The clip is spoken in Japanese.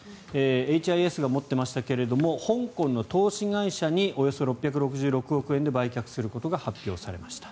エイチ・アイ・エスが持っていましたが香港の投資会社におよそ６６６億円で売却することが発表されました。